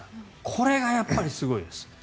これがやっぱりすごいです。